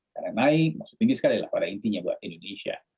karena naik maksudnya tinggi sekali lah pada intinya buat indonesia